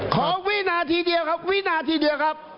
ขอวินาทีเดียวครับวินาทีเดียวครับ